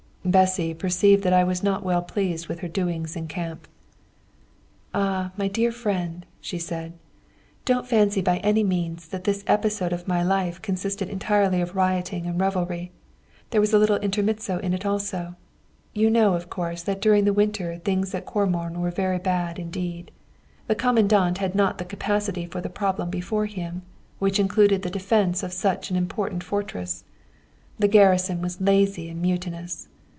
Bessy perceived that I was not well pleased with her doings in camp. "Ah, my dear friend!" she said, "don't fancy by any means that this episode of my life consisted entirely of rioting and revelry, there was a little intermezzo in it also. You know, of course, that, during the winter, things at Comorn were very bad indeed. The Commandant had not the capacity for the problem before him, which included the defence of such an important fortress. The garrison was lazy and mutinous.